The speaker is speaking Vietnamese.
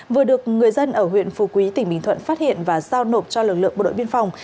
vừa được người dân ở huyện phù quý tỉnh bình thuận phát hiện và giao nộp cho lực lượng bộ đội biên phòng